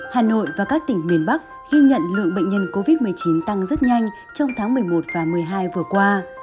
hà nội và các tỉnh miền bắc ghi nhận lượng bệnh nhân covid một mươi chín tăng rất nhanh trong tháng một mươi một và một mươi hai vừa qua